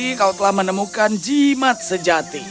jangan lupa kau telah menemukan jimat sejati